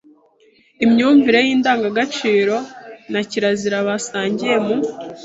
imyumvire y’indangagaciro na kirazira basangiye mu